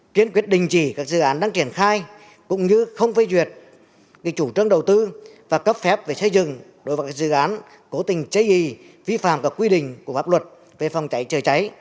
kiến quyết định chỉ các dự án đang triển khai cũng như không phê duyệt gây chủ trương đầu tư và cấp phép về xây dựng đối với các dự án cố tình chế gì vi phạm các quy định của pháp luật về phòng cháy chữa cháy